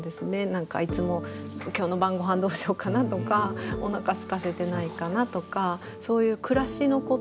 何かいつも今日の晩ごはんどうしようかな？とかおなかすかせてないかな？とか。